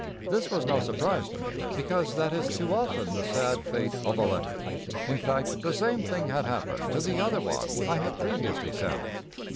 This was no surprise to me, because that is too often the sad fate of a letter. In fact the same thing had happened to the other one I had previously sent.